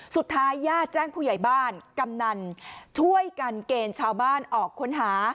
สุดท้ายญาติแจ้งผู้ใหญ่บ้านกำนันช่วยกันเกณฑ์ชาวบ้านออกค้นหา